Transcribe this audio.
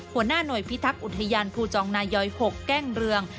หัวหน้าหน่วยพิทักษ์อุทยานภูจองนายอย๖แก้งเรือง